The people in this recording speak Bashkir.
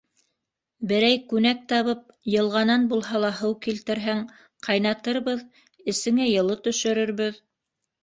Берәй күнәк табып, йылғанан булһа ла һыу килтерһәң, ҡайнатырбыҙ, әсеңә йылы төшөрөрбөҙ...